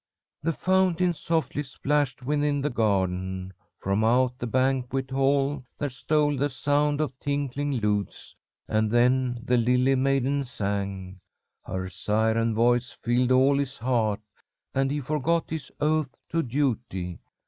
"The fountain softly splashed within the garden. From out the banquet hall there stole the sound of tinkling lutes, and then the lily maiden sang. Her siren voice filled all his heart, and he forgot his oath to duty.